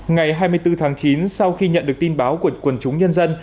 ngày hai mươi bốn tháng chín sau khi nhận được tin báo của quần chúng nhân dân